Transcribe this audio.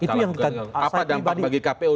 salah apa dampak bagi kpu